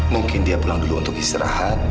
mungkin dia pulang dulu untuk istirahat